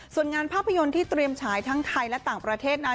ส่วนงานภาพยนตร์ที่เตรียมฉายทั้งไทยและต่างประเทศนั้น